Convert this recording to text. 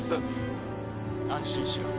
安心しろ。